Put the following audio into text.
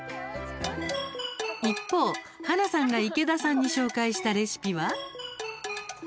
一方、ハナさんが池田さんに紹介したレシピは。